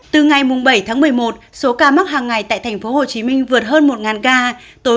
từ ngày bảy tháng một mươi một số ca mắc hàng ngày tại thành phố hồ chí minh vượt hơn một ca tối